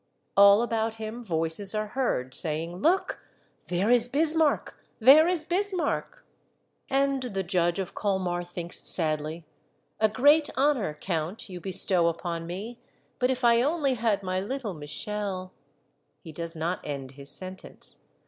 All about him voices are heard, saying, " Look ! There is Bismarck ! There is Bis marck !" And the Judge of Colmar thinks sadly, " A great honor. Count, you bestow upon me, but if I only had my little Michel —" He does not end his sentence.